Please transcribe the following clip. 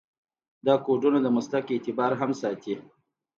دا کودونه د مسلک اعتبار هم ساتي.